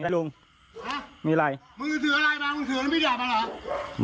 ลุงอ่ามีอะไรมึงถืออะไรบ้างมึงถือมีแบบอ่ะหรอ